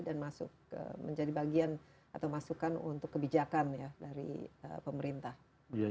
dan menjadi bagian atau masukan untuk kebijakan dari pemerintah